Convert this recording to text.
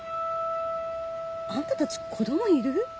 あんたたち子供いる？